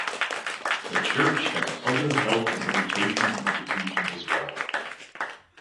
The church has other health and educational institutions as well.